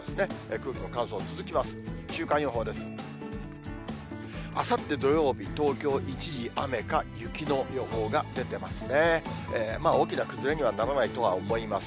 空気の乾燥続きます。